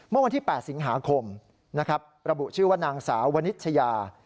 เมื่อวันที่๘สิงหาคมนะครับระบุชื่อว่านางสาววนิชยา